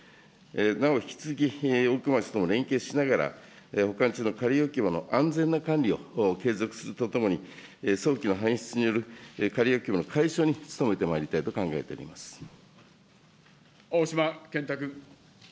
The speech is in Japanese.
なお、引き続き大熊町とも連携しながら、保管中の仮置き場の安全な管理を継続するとともに、早期の搬出による仮置き場の解消に努めてまいりたいと考えており青島健太君。